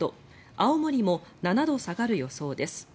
青森も７度下がる予想です。